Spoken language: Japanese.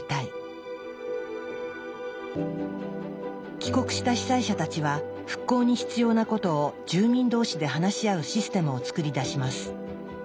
帰国した被災者たちは復興に必要なことを住民同士で話し合うシステムを作り出します。